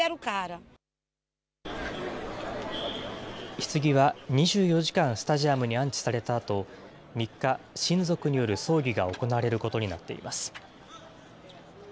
ひつぎは２４時間、スタジアムに安置されたあと、３日、親族による葬儀が行われることになっています。